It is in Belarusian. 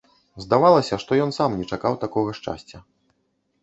Здавалася, што ён сам не чакаў такога шчасця.